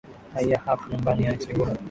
i ya hapa nyumbani yaani tribunal